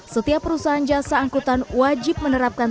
setiap perusahaan jasa angkutan wajib menerapkan